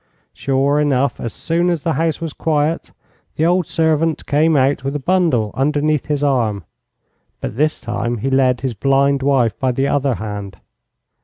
Sure enough, as soon as the house was quiet the old servant came out with a bundle underneath his arm; but this time he led his blind wife by the other hand.